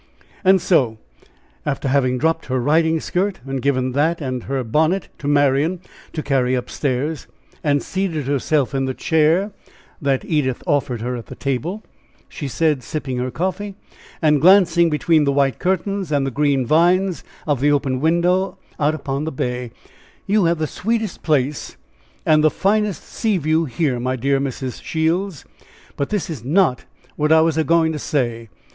And so, after having dropped her riding skirt, and given that and her bonnet to Marian to carry up stairs, and seated herself in the chair that Edith offered her at the table, she said, sipping her coffee, and glancing between the white curtains and the green vines of the open window out upon the bay: "You have the sweetest place, and the finest sea view here, my dear Mrs. Shields; but that is not what I was a going to say.